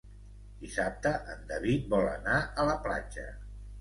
Dissabte en David vol anar a la platja.